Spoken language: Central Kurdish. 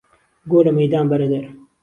گۆ له مهیدان بەره دەر